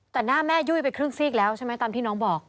แต่หน้าแม่ยุ่ยไปครึ่งซีกแล้วใช่ไหมตามที่น้องบอก